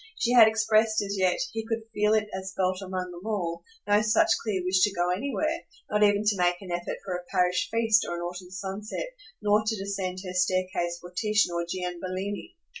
She had expressed as yet he could feel it as felt among them all no such clear wish to go anywhere, not even to make an effort for a parish feast, or an autumn sunset, nor to descend her staircase for Titian or Gianbellini.